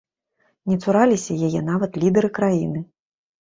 Не цураліся яе нават лідары краіны.